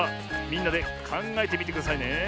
みんなでかんがえてみてくださいね。